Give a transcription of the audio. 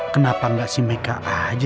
kenapa gak sih mereka aja